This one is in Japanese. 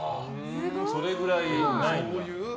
それぐらいないんだ。